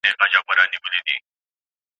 غرونه ډک له داړه مارو کلي ډک دي له خونکارو